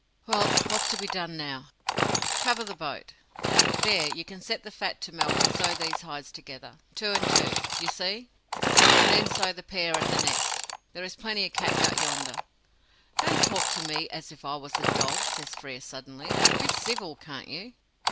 "Well, what's to be done now?" "Cover the boat. There, you can set the fat to melt, and sew these hides together. Two and two, do you see? and then sew the pair at the necks. There is plenty of catgut yonder." "Don't talk to me as if I was a dog!" says Frere suddenly. "Be civil, can't you."